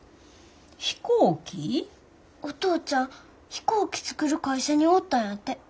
お父ちゃん飛行機作る会社におったんやて。